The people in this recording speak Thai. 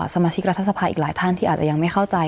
สมาชิกรัฐสภาอีกหลายท่านที่อาจจะยังไม่เข้าใจ